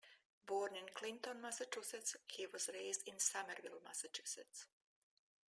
Born in Clinton, Massachusetts, he was raised in Somerville, Massachusetts.